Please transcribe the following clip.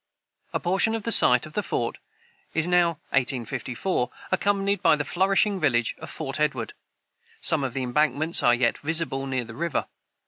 A portion of the site of the fort is now (1854) occupied by the flourishing village of Fort Edward. Some of the embankments are yet visible near the river.